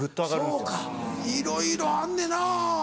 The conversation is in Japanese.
そうかいろいろあんねんな。